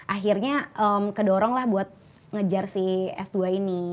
akhirnya kedorong lah buat ngejar si s dua ini